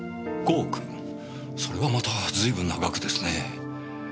それはまた随分な額ですねえ。